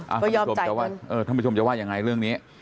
เออพยายามใจกันท่านผู้ชมว่ายังไงเรื่องนี้